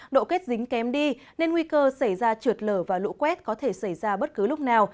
độ kết dính kém đi nên nguy cơ xảy ra trượt lở và lũ quét có thể xảy ra bất cứ lúc nào